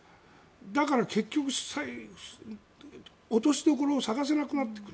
だから結局落としどころを探せなくなってくる。